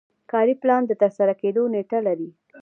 کاري پلان د ترسره کیدو نیټه لري.